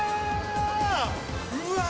うわ！